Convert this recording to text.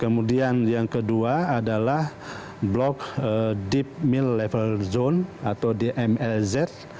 kemudian yang kedua adalah blok deep mill level zone atau dmlz